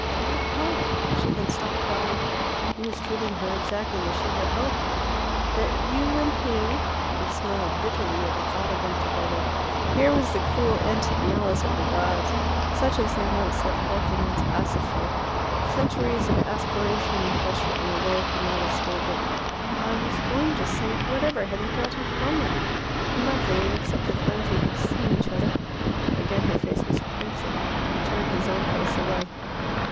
"What of?" She had stopped crying. He was treating her exactly as she had hoped. "That you and he " He smiled bitterly at the thought of them together. Here was the cruel antique malice of the gods, such as they once sent forth against Pasiphae. Centuries of aspiration and culture and the world could not escape it. "I was going to say whatever have you got in common?" "Nothing except the times we have seen each other." Again her face was crimson. He turned his own face away.